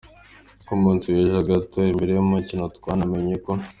Ku munsi wejo gato mbere yumukino twanamenye ko.